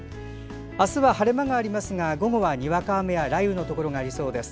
明日は晴れ間がありますが午後はにわか雨や雷雨のところがありそうです。